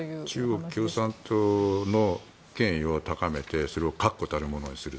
中国共産党の権威を高めてそれを確固たるものにする。